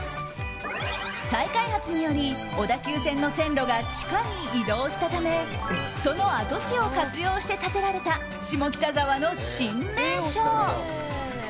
再開発により、小田急線の線路が地下に移動したためその跡地を活用して建てられた下北沢の新名所。